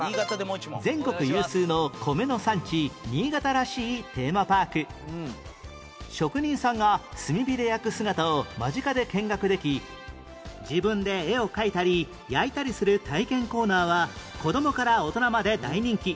全国有数の職人さんが炭火で焼く姿を間近で見学でき自分で絵を描いたり焼いたりする体験コーナーは子供から大人まで大人気